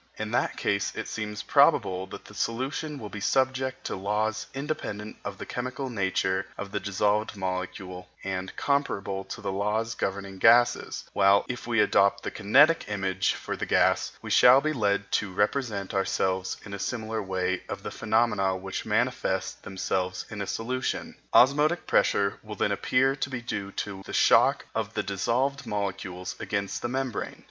In that case it seems probable that solutions will be subject to laws independent of the chemical nature of the dissolved molecule and comparable to the laws governing gases, while if we adopt the kinetic image for the gas, we shall be led to represent to ourselves in a similar way the phenomena which manifest themselves in a solution. Osmotic pressure will then appear to be due to the shock of the dissolved molecules against the membrane.